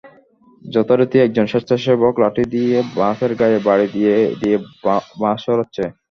যথারীতি একজন স্বেচ্ছাসেবক লাঠি দিয়ে বাসের গায়ে বাড়ি দিয়ে দিয়ে বাস সরাচ্ছে।